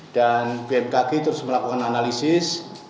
bmkg terus melakukan analisis